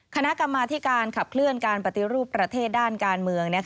คณะกรรมาธิการขับเคลื่อนการปฏิรูปประเทศด้านการเมือง